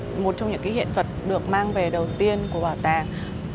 hiện vật này là một trong những hiện vật được mang về đầu tiên của bảo tàng